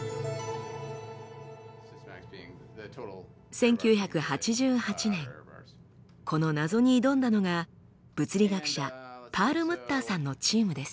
１９８８年この謎に挑んだのが物理学者パールムッターさんのチームです。